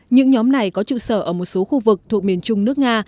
những nhóm này có trụ sở ở một số khu vực thuộc miền trung nước nga